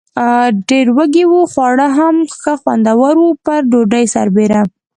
ډېر وږي و، خواړه هم ښه خوندور و، پر ډوډۍ سربېره.